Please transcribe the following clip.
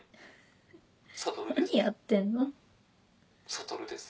悟です。